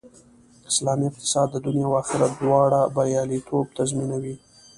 اسلامي اقتصاد د دنیا او آخرت دواړو بریالیتوب تضمینوي